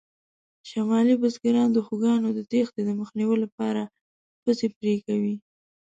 شمالي بزګران د خوکانو د تېښتې د مخنیوي لپاره پزې پرې کوي.